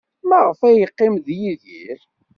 Maɣef ay yeqqim ed Yidir?